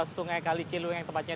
sungai kali ciliwung yang tepatnya